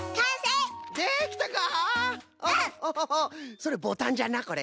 それボタンじゃなこれ。